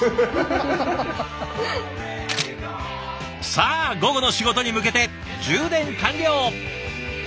さあ午後の仕事に向けて充電完了。